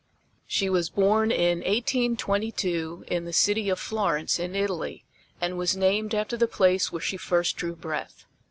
She was born in 1822 in the city of Florence in Italy, and was named after the place where she first drew breath.